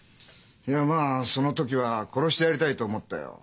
いやまあその時は殺してやりたいと思ったよ。